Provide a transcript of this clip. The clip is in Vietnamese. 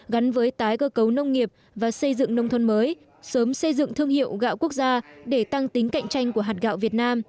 gắn với tái cơ cấu nông nghiệp và xây dựng nông thôn mới sớm xây dựng thương hiệu gạo quốc gia để tăng tính cạnh tranh của hạt gạo việt nam